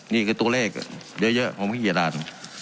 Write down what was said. นี่คือตัวเลขเยอะของพี่เกียรติฐาน